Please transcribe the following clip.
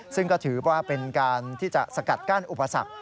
ซึ่งก็ถือว่าเป็นการที่จะสกัดกั้นอุปสรรค